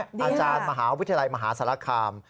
ดีค่ะอาจารย์มหาวิทยาลัยมหาศาลาการม์